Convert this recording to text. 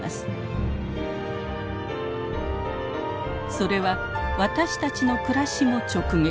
それは私たちの暮らしも直撃。